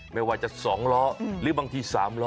ไม่ว่าจะสองล้อหรือบางทีสามล้อ